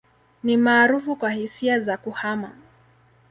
Ni maarufu kwa hisia za kuhama.